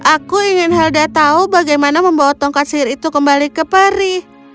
aku ingin helda tahu bagaimana membawa tongkat sihir itu kembali ke peri